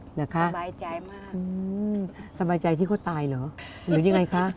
เหรอคะสบายใจมากอืมสบายใจที่เขาตายเหรอหรือยังไงคะ